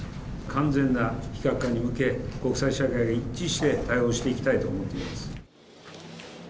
完全な非核化に向け、国際社会が一致して対応していきたいと思っています。